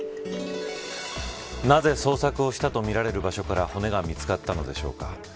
なぜ、捜索をしたとみられる場所から骨が見つかったのでしょうか。